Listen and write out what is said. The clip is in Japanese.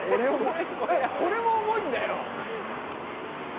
これも重いんだよ！